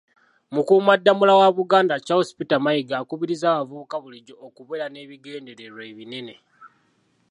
Mukuumaddamula wa Buganda, Charles Peter Mayiga, akubirizza abavubuka bulijjo okubeera n'ebigendererwa ebinene.